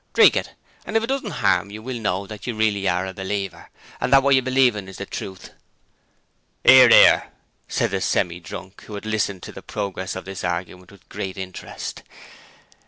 Drink it! And if it doesn't harm you, we'll know that you really are a believer and that what you believe is the truth!' ''Ear, 'ear!' said the Semi drunk, who had listened to the progress of the argument with great interest.